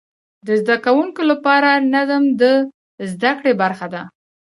د زده کوونکو لپاره نظم د زده کړې برخه وه.